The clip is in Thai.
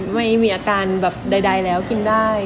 ไม่มีอาการแบบใดแล้วกินได้